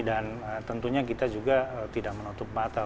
dan tentunya kita juga tidak menutup mata